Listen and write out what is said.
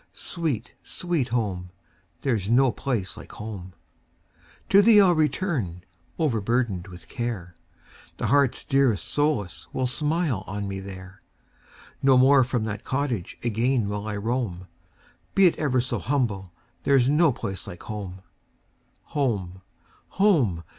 sweet, sweet home! There 's no place like home! To thee I 'll return, overburdened with care; The heart's dearest solace will smile on me there; No more from that cottage again will I roam; Be it ever so humble, there 's no place like home. Home! home!